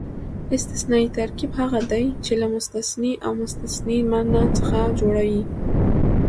استثنایي ترکیب هغه دئ، چي له مستثنی او مستثنی منه څخه جوړ يي.